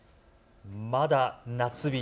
まだ夏日。